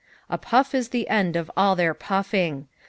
A puff is the end of all their puffing.